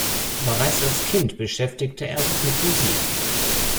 Bereits als Kind beschäftigte er sich mit Musik.